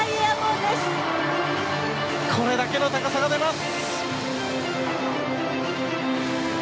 これだけの高さが出ます！